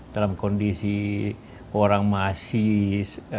dalam kondisi orang masih